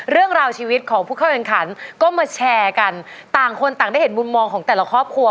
เรื่องราวชีวิตของผู้เข้าแข่งขันก็มาแชร์กันต่างคนต่างได้เห็นมุมมองของแต่ละครอบครัว